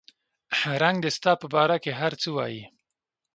رنګ دې ستا په باره کې هر څه وایي